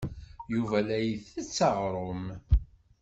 Yuba la isett aɣrum.